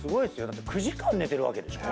だって９時間寝てるわけでしょ。